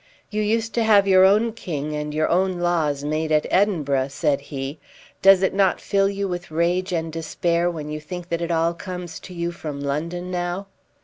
"You used to have your own king and your own laws made at Edinburgh," said he. "Does it not fill you with rage and despair when you think that it all comes to you from London now?"